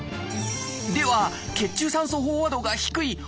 では血中酸素飽和度が低い